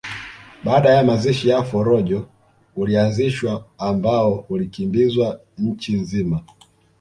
Baada ya mazishi ya Forojo ulianzishwa ambao ulikimbizwa nchi nzima